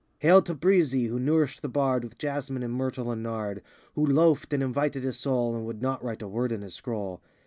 Hail, Tabrizi, a who nourished the Bard With jasmine and myrtle and nard;— Who loafed and invited his soul And would not write a word in his Scroll.